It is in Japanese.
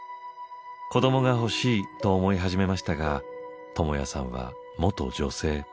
子どもが欲しいと思い始めましたがともやさんは元女性。